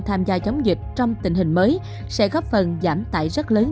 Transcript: tham gia chống dịch trong tình hình mới sẽ góp phần giảm tải rất lớn